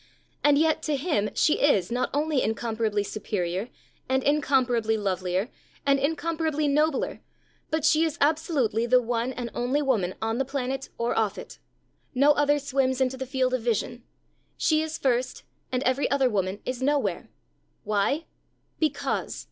And yet to him she is not only incomparably superior, and incomparably lovelier, and incomparably nobler, but she is absolutely the one and only woman on the planet or off it. No other swims into the field of vision. She is first, and every other woman is nowhere. Why? '_Because!